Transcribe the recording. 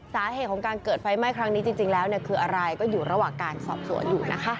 สาเหตุของการเกิดไฟไหม้ครั้งนี้จริงแล้วคืออะไรก็อยู่ระหว่างการสอบสวนอยู่นะคะ